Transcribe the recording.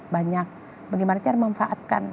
banyak bagaimana cara memanfaatkan